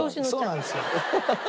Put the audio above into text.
そうなんですよ。